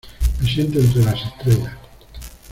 Me siento entre las estrellas